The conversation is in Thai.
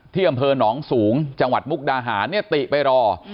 ที่อำเภอน้องสูงจังหวัดมุกดาหานี่ติไปรอ